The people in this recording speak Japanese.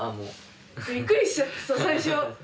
びっくりしちゃってさ最初。